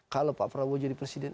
kalau pak prabowo jadi presiden